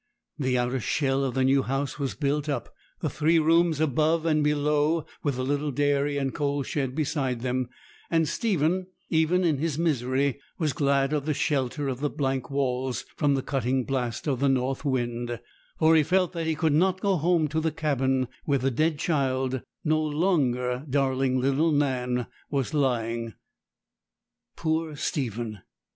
The outer shell of the new house was built up, the three rooms above and below, with the little dairy and coal shed beside them, and Stephen, even in his misery, was glad of the shelter of the blank walls from the cutting blast of the north wind; for he felt that he could not go home to the cabin where the dead child no longer darling little Nan was lying. Poor Stephen!